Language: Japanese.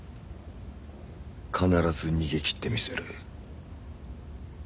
必ず逃げきってみせる。